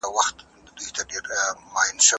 په راتلونکي کي به نور پروګرامونه هم وي.